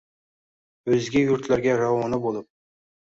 o‘zga yurtlarga ravona bo‘lib